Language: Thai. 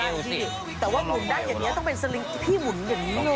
แต่ว่าหุ่นด้านจากนี้ต้องเป็นสลิงค์ที่หุ่นอย่างนี้เลยอ่ะ